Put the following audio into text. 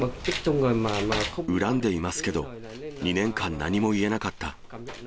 恨んでいますけど、２年間、何も言えなかった。